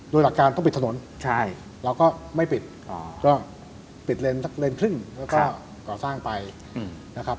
โดยหลักการต้องปิดถนนเราก็ไม่ปิดก็ปิดเลนสักเลนครึ่งแล้วก็ก่อสร้างไปนะครับ